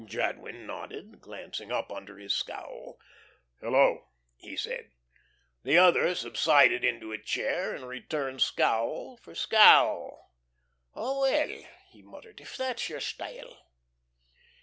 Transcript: Jadwin nodded, glancing up under his scowl. "Hello!" he said. The other subsided into a chair, and returned scowl for scowl. "Oh, well," he muttered, "if that's your style."